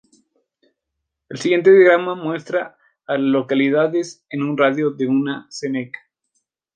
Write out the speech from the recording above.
El siguiente diagrama muestra a las localidades en un radio de de Seneca.